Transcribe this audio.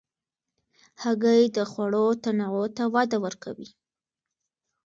هګۍ د خوړو تنوع ته وده ورکوي.